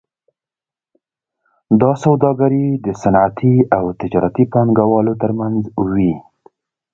دا سوداګري د صنعتي او تجارتي پانګوالو ترمنځ وي